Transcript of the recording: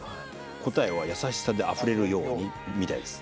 答えは「やさしさで溢れるように」みたいです。